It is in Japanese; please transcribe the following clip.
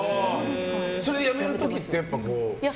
それやめる時って。